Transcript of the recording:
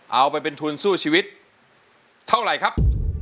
เอาไปเป็นทุนสู้ชีวิตเท่าไหร่ครับ